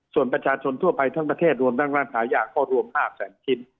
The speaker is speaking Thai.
ส่วนประชาชนทั่วไปทั้งประเทศรวมทั้งร้านขายยาก็รวม๕แสนชิ้น